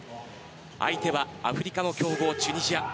相手はアフリカの強豪チュニジア。